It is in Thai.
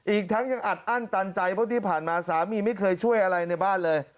อีกทั้งยังอัดอั้นตันใจเพราะที่ผ่านมาสามีไม่เคยช่วยอะไรในบ้านเลย